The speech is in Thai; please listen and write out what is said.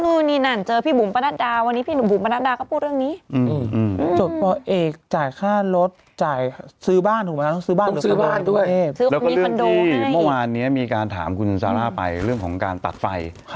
แล้วก็เรื่องที่เมื่อวานนี้มีการถามคุณซาร่าไปเรื่องของการตัดไฟ